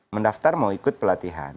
mendaftar mau ikut pelatihan